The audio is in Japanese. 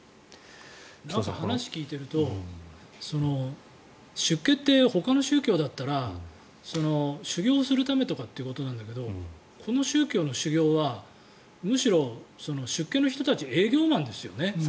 話を聞いていると出家ってほかの宗教だったら修行するためとかということなだけどこの宗教の修行はむしろ、出家の人たち営業マンですよね。